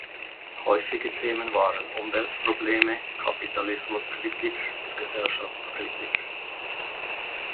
Häufige Themen waren Umweltprobleme, Kapitalismuskritik und Gesellschaftskritik.